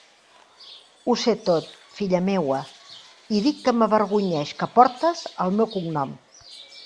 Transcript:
Ho sé tot, filla meua, i dic que m'avergonyeix que portes el meu cognom.